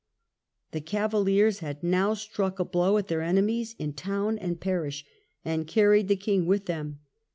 The Cavaliers had now struck a blow at their enemies in town and parish, and carried the king with them.